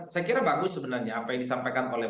saya kira bagus sebenarnya apa yang disampaikan oleh